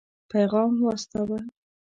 پيغام واستاوه.